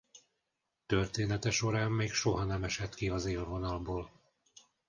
Története során még soha nem esett ki az élvonalból.